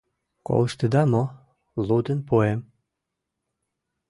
Колыштыда мо, лудын пуэм?